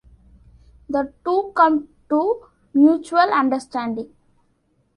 The two come to mutual understanding.